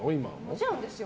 もちろんですよ。